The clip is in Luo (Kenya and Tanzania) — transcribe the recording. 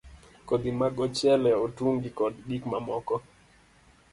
Kodhi mag ochele, otungi, kod gik mamoko